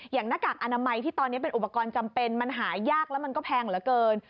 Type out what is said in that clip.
หน้ากากอนามัยที่ตอนนี้เป็นอุปกรณ์จำเป็นมันหายากแล้วมันก็แพงเหลือเกิน